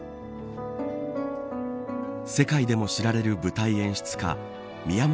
世界でも知られる舞台演出家宮本亞